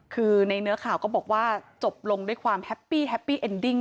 คือในเนื้อข่าวก็บอกว่าจบลงด้วยความแฮปปี้แฮปปี้เอ็นดิ้ง